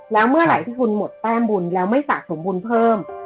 แล้วเมื่อไหร่ที่คุณหมดแต้มบุญแล้วไม่สะสมบุญเพิ่ม